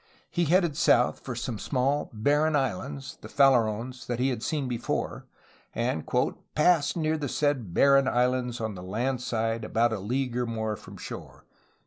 He headed south for some small barren islands (the Farallones) that he had seen before, and '^ passed near the said barren islands on the land side about a league or more from shore.